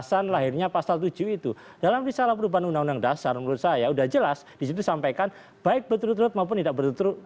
jadi kita bisa lihat pada risalah perubahan undang undang dasar menurut saya sudah jelas disitu sampaikan baik berturut turut maupun tidak berturut turut